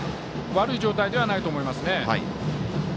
悪い状態ではないと思いますね。